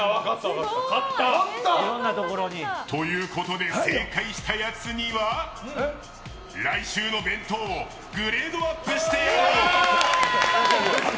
勝った！ということで正解したやつには来週の弁当をグレードアップしてやろう！